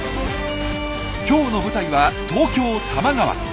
今日の舞台は東京多摩川。